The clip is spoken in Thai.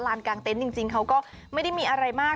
กลางเต็นต์จริงเขาก็ไม่ได้มีอะไรมาก